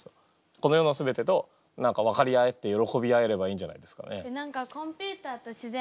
この世の全てと何か分かり合えてよろこび合えればいいんじゃないですかね。